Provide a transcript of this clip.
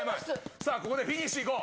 さあここで、フィニッシュいこう。